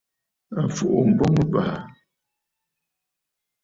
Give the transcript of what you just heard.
À fùʼu mboŋ ɨ̀bàà!